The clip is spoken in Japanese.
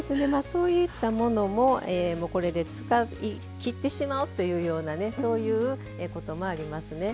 そういったものもこれで使いきってしまうというようなねそういうこともありますね。